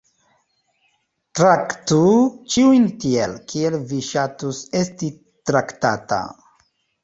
"Traktu ĉiujn tiel, kiel vi ŝatus esti traktata."